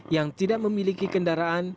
yang tidak memiliki kendaraan